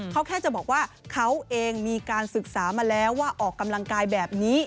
เขาแค่จะบอกว่าเขาเองมีการศึกษามาแล้วว่าออกกำลังกายแบบนี้